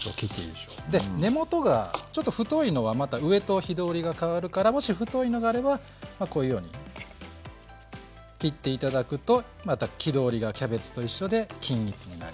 で根元がちょっと太いのはまた上と火通りが変わるからもし太いのがあればこういうように切って頂くとまた火通りがキャベツと一緒で均一になりますね。